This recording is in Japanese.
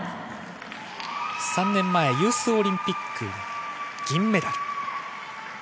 ３年前ユースオリンピック、銀メダル。